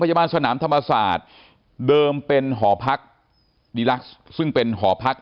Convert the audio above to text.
สนามธรรมศาสตร์เดิมเป็นหอพักดีลักษ์ซึ่งเป็นหอพัก